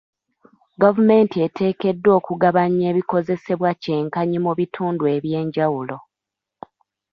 Gavumenti eteekeddwa okugabanya ebikozesebwa kye nkanyi mu bitundu eby'enjawulo.